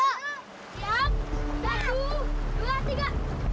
siap satu dua tiga